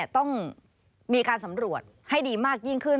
ต้องมีการสำรวจให้ดีมากยิ่งขึ้น